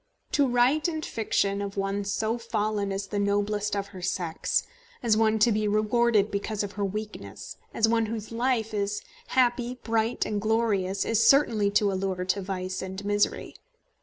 To write in fiction of one so fallen as the noblest of her sex, as one to be rewarded because of her weakness, as one whose life is happy, bright, and glorious, is certainly to allure to vice and misery.